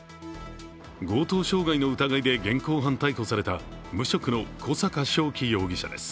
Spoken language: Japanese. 強盗障害の疑いで現行犯逮捕された無職の小阪渉生容疑者です。